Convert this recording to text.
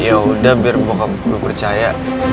ya udah biar bokap gue percaya